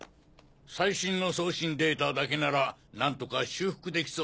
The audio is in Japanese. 最新の送信データだけなら何とか修復できそうじゃ。